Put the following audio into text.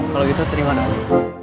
kalau gitu terima nanti